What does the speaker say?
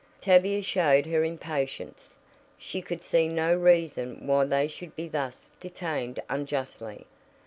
Tavia showed her impatience she could see no reason why they should be thus detained unjustly.